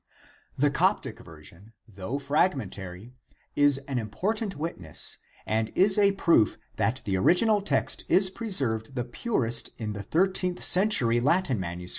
The Coptic version, though fragmentary, is an important witness and is a proof that the original text is preserved the purest in the 13th century Latin MS.